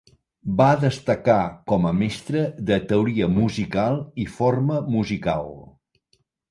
Va destacar com a mestre de teoria musical i forma musical.